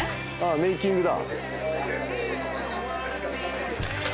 メイキングだ。